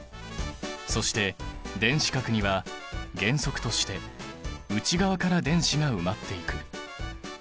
そして電子殻には原則として内側から電子が埋まっていく。